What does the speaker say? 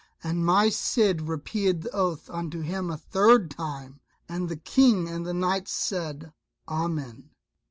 And my Cid repeated the oath unto him a third time, and the King and the knights said "Amen."